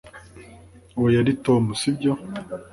uwo yari tom, sibyo?